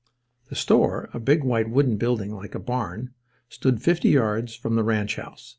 The store, a big, white wooden building like a barn, stood fifty yards from the ranch house.